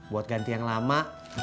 buat ganti yang lama